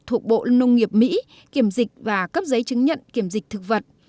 thuộc bộ nông nghiệp mỹ kiểm dịch và cấp giấy chứng nhận kiểm dịch thực vật